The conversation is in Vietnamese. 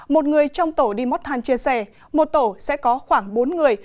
một người trong tổ đi móc than chia xe một tổ sẽ có khoảng bốn người